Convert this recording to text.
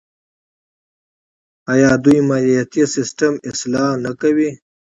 آیا دوی مالیاتي سیستم اصلاح نه کوي؟